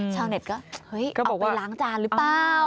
ชาวเน็ตก็เฮ้ยเอาไปล้างจานหรือเปล่า